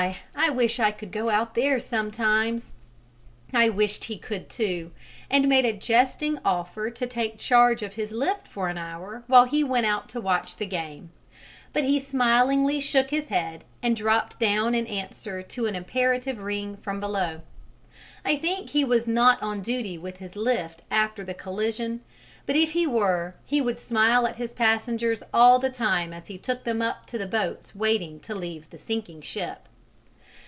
I wish I could go out there sometimes!" I wished he could, too, and made a jesting offer to take charge of his lift for an hour while he went out to watch the game; but he smilingly shook his head and dropped down in answer to an imperative ring from below. I think he was not on duty with his lift after the collision, but if he were, he would smile at his passengers all the time as he took them up to the boats waiting to leave the sinking ship.